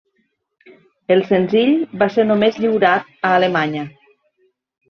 El senzill va ser només lliurat a Alemanya.